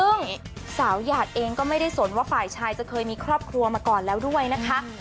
ซึ่งสาวหยาดเองก็ไม่ได้สนว่าฝ่ายชายจะเคยมีครอบครัวมาก่อนแล้วด้วยนะคะ